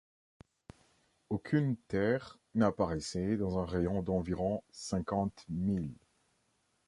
Aucune terre n’apparaissait dans un rayon d’environ cinquante milles